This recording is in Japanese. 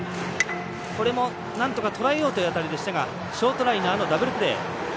これもなんとかとらえようという当たりでしたがショートライナーのダブルプレー。